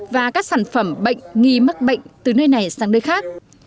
và các sản phẩm bệnh nghi mắc bệnh từ nơi này sang nơi khác